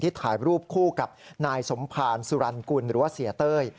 ถ่ายรูปคู่กับนายสมภารสุรรณกุลหรือว่าเสียเต้ย